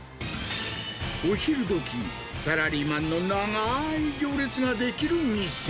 お昼どき、サラリーマンの長い行列が出来る店。